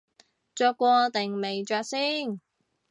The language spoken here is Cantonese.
着過定未着先